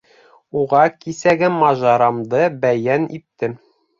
Уға кисәге мажарамды бәйән иттем.